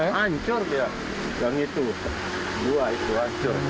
ya yang itu dua itu